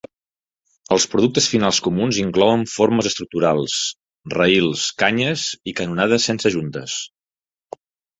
Els productes finals comuns inclouen formes estructurals, rails, canyes i canonades sense juntes.